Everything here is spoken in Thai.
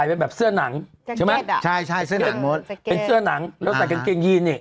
ใส่ไปแบบเสื้อหนังใช่ไหมเป็นเสื้อหนังแล้วใส่กางเกงยีนเนี่ย